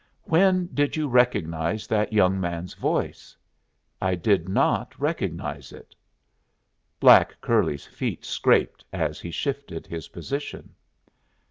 "When did you recognize that young man's voice?" "I did not recognize it." Black curly's feet scraped as he shifted his position.